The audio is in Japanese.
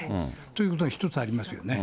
ということが一つありますよね。